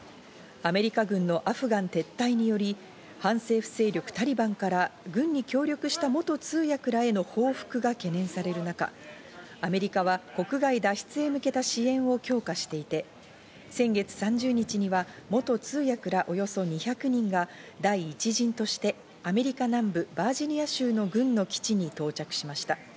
アメリカ軍のアフガン撤退により、反政府勢力タリバンから軍に協力した元通訳らへの報復が懸念される中、アメリカは国外脱出へ向けた支援を強化していて、先月３０日には元通訳らおよそ２００人が第１陣としてアメリカ南部バージニア州の軍の基地に到着しました。